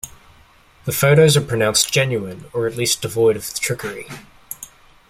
The photos are pronounced genuine, or at least devoid of trickery.